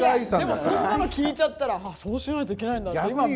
でもそんなの聞いちゃったらそうしないといけないんだって。